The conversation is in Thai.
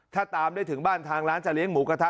ถ้าตามได้ถึงบ้านทางร้านจะเลี้ยหมูกระทะ